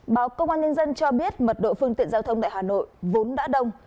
báo công an nhân dân cho biết mật độ phương tiện giao thông tại hà nội vốn đã đông